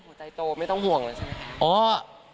หัวใจโตไม่ต้องห่วงใช่ไหมคะ